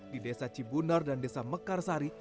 di desa cibunar dan desa mekarsari